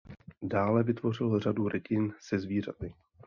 Dále vytvořil řadu rytin se zvířaty.